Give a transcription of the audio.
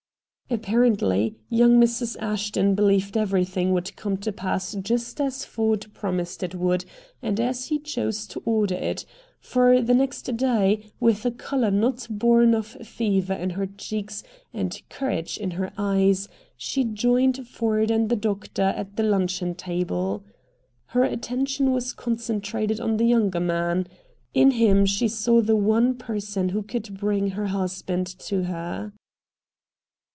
Apparently, young Mrs. Ashton believed everything would come to pass just as Ford promised it would and as he chose to order it; for the next day, with a color not born of fever in her cheeks and courage in her eyes, she joined Ford and the doctor at the luncheon table. Her attention was concentrated on the younger man. In him she saw the one person who could bring her husband to her.